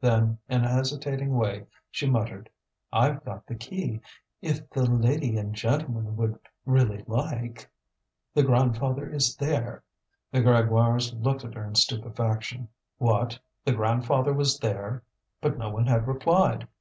Then, in a hesitating way, she muttered: "I've got the key. If the lady and gentleman would really like The grandfather is there." The Grégoires looked at her in stupefaction. What! The grandfather was there! But no one had replied.